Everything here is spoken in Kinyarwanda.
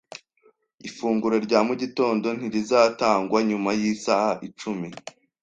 Ifunguro rya mu gitondo ntirizatangwa nyuma yisaha icumi